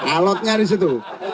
alotnya di situ